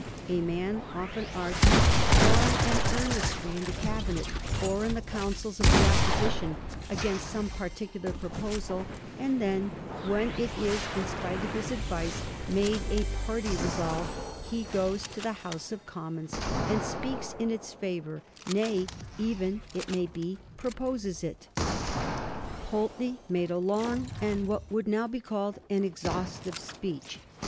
A man often argues long ^nd earnestly in the Cabinet or in the councils of the Opposi tion against some particular proposal, and then, when it is, in spite of his advice, made a party resolve, he goes to the House of Commons and speaks in its favor ; nay, even it may be, proposes it. Pulteney made a long and what would now be called an exhaustive speech.